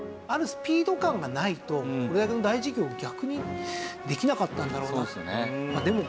あるスピード感がないとこれだけの大事業を逆にできなかったんだろうなって。